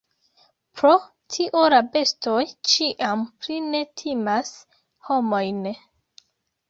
Pro tio la bestoj ĉiam pli ne timas homojn.